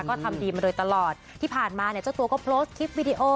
ก็ทำดีมาโดยตลอดที่ผ่านมาเนี่ยเจ้าตัวก็โพสต์คลิปวิดีโอ